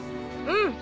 うん。